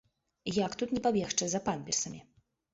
Як тут не пабегчы за памперсамі!